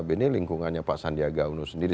ini lingkungannya pak sandiaga uno sendiri